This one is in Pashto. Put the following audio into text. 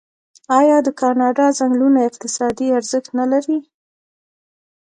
آیا د کاناډا ځنګلونه اقتصادي ارزښت نلري؟